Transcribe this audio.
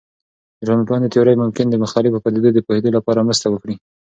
د ټولنپوهنې تیورۍ ممکن د مختلفو پدیدو د پوهیدو لپاره مرسته وکړي.